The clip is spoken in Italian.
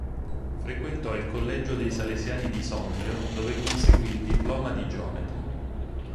Frequentò il collegio dei Salesiani di Sondrio, dove conseguì il diploma di geometra.